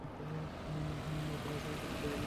এই মৌসুমের ক্ষতির দায় আমি নেব।